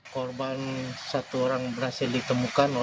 korban satu orang yang terjadi di tempat ini